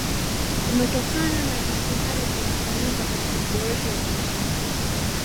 kumetokana na jitihada zinazofanyika katika kuboresha uzalishaji